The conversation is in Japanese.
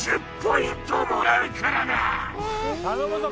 頼むぞ！